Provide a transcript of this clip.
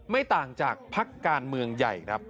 ไม่ต่างจากพักการเมืองใหญ่ครับ